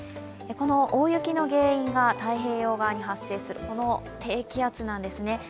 この大雪の原因は太平洋側に発生するこの低気圧なんですね。